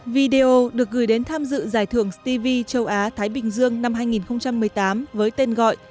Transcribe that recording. video được gửi đến tham dự giải thưởng steve châu á thái bình dương năm hai nghìn một mươi tám với tên gọi